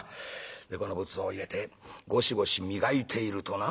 でこの仏像を入れてゴシゴシ磨いているとな」。